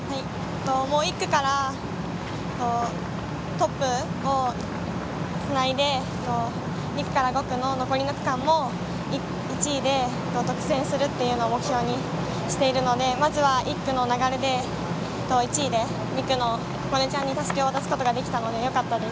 １区からトップをつないで２区から５区の残りの区間も１位で独占するというのを目標にしているのでまずは１区の流れで１位でたすきをつなぐことができたのでよかったです。